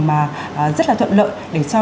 mà rất là thuận lợi để cho